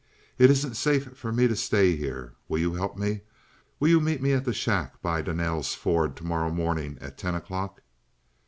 It isn't safe for me to stay here. Will you help me? Will you meet me at the shack by Donnell's ford tomorrow morning at ten o'clock?